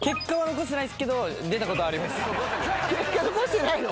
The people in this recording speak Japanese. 結果残してないの？